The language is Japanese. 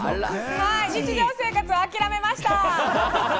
日常生活は諦めました！